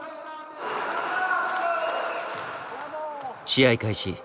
試合開始